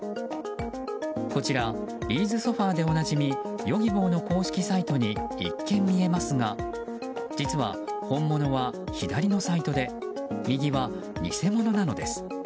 こちら、ビーズソファでおなじみヨギボーの公式サイトに一見、見えますが実は本物は左のサイトで右は偽物なのです。